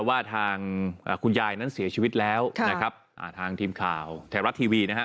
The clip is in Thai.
ว่าทางคุณยายนั้นเสียชีวิตแล้วนะครับอ่าทางทีมข่าวไทยรัฐทีวีนะฮะ